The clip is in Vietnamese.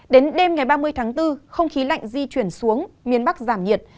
đến đêm ngày ba mươi tháng bốn không khí lạnh di chuyển xuống miền bắc giảm nhiệt